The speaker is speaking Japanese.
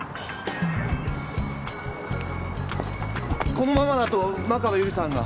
このままだと真壁由里さんが。